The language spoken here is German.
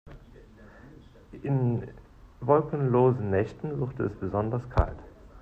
In wolkenlosen Nächten wird es besonders kalt.